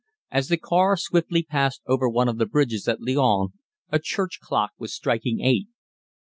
As the car swiftly passed over one of the bridges in Lyons a church clock was striking eight.